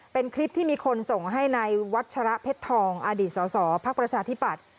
เป็นคลิปที่มีคนส่งให้ในวัชระเพชรทองอดีตสอสอภักดิ์ประชาธิปัตย์